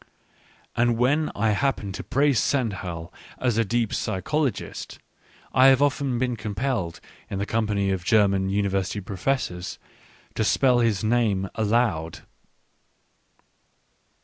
And when I happen to praise Stendhal as a deep psychologist, I have often been compelled, in the company of German University Professors, to spell his name aloud.